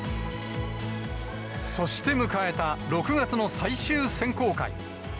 そして迎えた６月の最終選考会。